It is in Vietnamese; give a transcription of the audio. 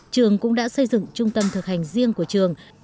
trường cũng đã xây dựng trung tâm thực hành riêng của trường